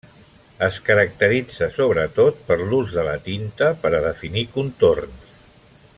Es caracteritza sobretot per l'ús de la tinta per a definir contorns.